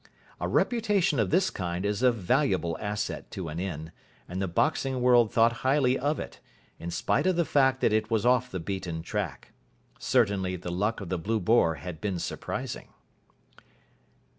A reputation of this kind is a valuable asset to an inn, and the boxing world thought highly of it, in spite of the fact that it was off the beaten track. Certainly the luck of the "Blue Boar" had been surprising.